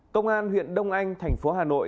công an huyện đông anh thành phố hà nội